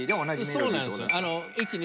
そうなんですよ。